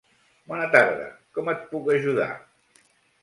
Bona tarda, com et puc ajudar?